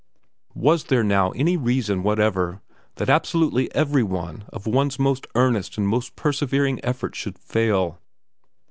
Was there now any reason whatever that absolutely every one of one's most earnest and most persevering efforts should fail?